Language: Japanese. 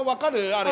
あれ。